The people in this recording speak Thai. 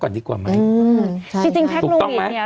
เพื่อไม่ให้เชื้อมันกระจายหรือว่าขยายตัวเพิ่มมากขึ้น